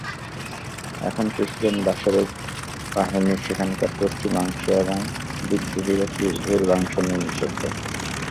এখন প্রেসিডেন্ট বাশারের বাহিনী সেখানকার পশ্চিমাংশ এবং বিদ্রোহীরা পূর্বাংশ নিয়ন্ত্রণ করছে।